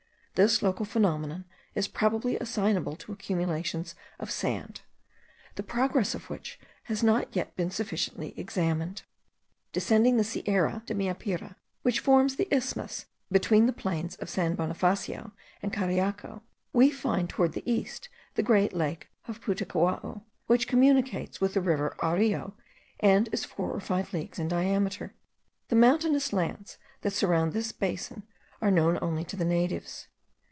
This local phenomenon is probably assignable to accumulations of sand, the progress of which has not yet been sufficiently examined. Descending the Sierra de Meapire, which forms the isthmus between the plains of San Bonifacio and Cariaco, we find towards the east the great lake of Putacuao, which communicates with the river Areo, and is four or five leagues in diameter. The mountainous lands that surround this basin are known only to the natives.